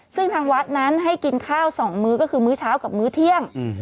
ซึ่งทางวัดนั้นให้กินข้าว๒มื้อก็คือมื้อเช้ากับมื้อเที่ยง